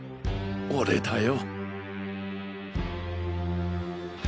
俺だよ。